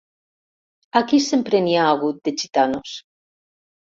Aquí sempre n'hi ha hagut, de gitanos.